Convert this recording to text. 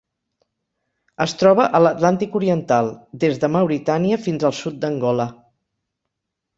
Es troba a l'Atlàntic oriental: des de Mauritània fins al sud d'Angola.